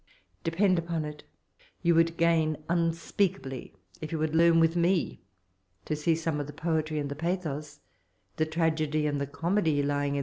" Depend upon it, you would gain un speakably if you woT^d learn with me to see some of the poetry and the pathos the tragedy and the oomedy, lying in.